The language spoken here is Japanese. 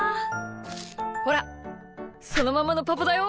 ほらそのままのパパだよ。